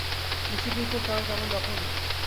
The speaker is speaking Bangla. বিষয়টির উপর তার তেমন দখল নেই।